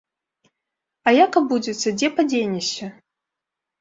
А як абудзіцца, дзе падзенешся?